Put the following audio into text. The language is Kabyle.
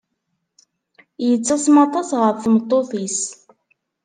Yettasem aṭas ɣef tmeṭṭut-is.